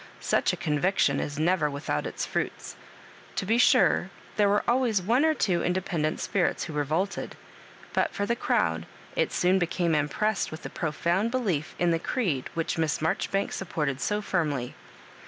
Such a conviction is never without its fruits. To be sure there were always one or two indepen dent spirits who revolted ; but for the crowd, it soon became impressed with a profound belief in the creed which Miss Marjoribanks supported 80 firmly.